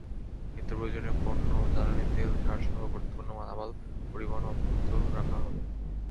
নিত্যপ্রয়োজনীয় পণ্য, জ্বালানি তেল, সারসহ গুরুত্বপূর্ণ মালামাল পরিবহন অব্যাহত রাখা হবে।